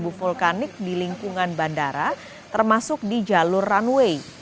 pembangunan bandara diperlukan untuk mengembangkan lingkungan bandara termasuk di jalur runway